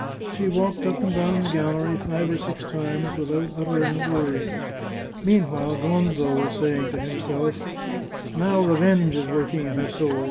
She walked up and down the gallery five or six times without uttering a word. Mean while Gonzo was saying to himself :" Now revenge is work ing in her soul.